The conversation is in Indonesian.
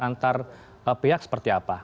antar pihak seperti apa